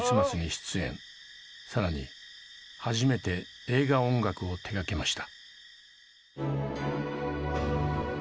更に初めて映画音楽を手がけました。